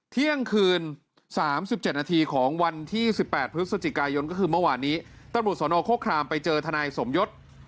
เที่ยงคืน๓๗นาทีของวันที่๑๘พฤศจิกายนก็คือเมื่อวานนี้ตำรวจสนโครครามไปเจอทนายสมยศ